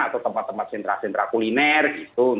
atau tempat tempat sentra sentra kuliner gitu